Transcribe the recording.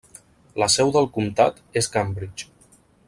La seu del comtat és Cambridge.